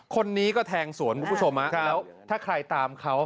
คนนี้ก็แทงสวนคุณผู้ชมแล้วถ้าใครตามเขา